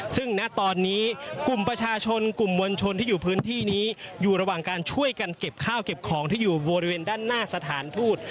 ซึ่งณตอนนี้กลุ่มประชาชนกลุ่มมวลชนที่อยู่พื้นที่นี้อยู่ระหว่างการช่วยกันเก็บข้าวเก็บของที่อยู่บริเวณด้านหน้าสถานทูต